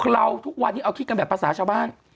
เราทุกวันนี้เอาคิดกันแบบภาษาชาวบ้าน